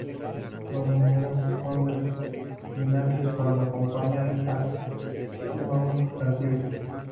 Los numerales son determinantes cuando acompañan a un sustantivo.